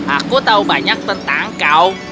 aku tahu banyak tentang kau